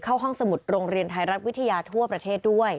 เข้าห้องสมุดโรงเรียนไทยรัฐวิทยาทั่วประเทศด้วย